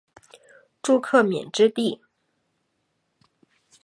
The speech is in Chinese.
朱克敏之弟。